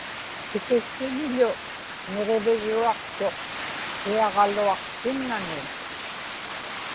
tikiłłuniḷu niġivigruaqtuq kiaġaluaqtinnani